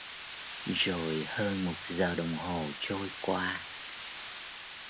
Rồi hơn một giờ đồng hồ trôi qua